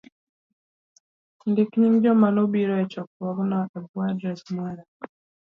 ndik nying joma nobiro e chokruogno e bwo adres mari.